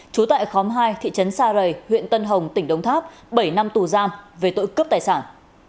trú tại khóm hai thị trấn sa rầy huyện tân hồng tỉnh đống tháp bảy năm tù giam về tội cướp tài sản